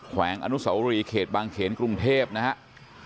วงอนุสาวรีเขตบางเขนกรุงเทพนะครับ